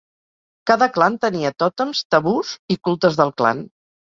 Cada clan tenia tòtems, tabús i cultes del clan.